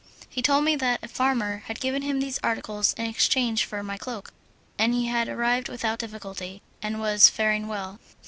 He told me that a farmer had given him these articles in exchange for my cloak, that he had arrived without difficulty, and was faring well.